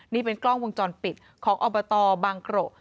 นี่เป็นกล้องวงจรปิดของอบตบางกระ